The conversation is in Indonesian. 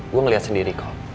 gue ngeliat sendiri kok